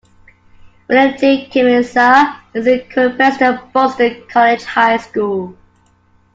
William J. Kemeza is the current president of Boston College High School.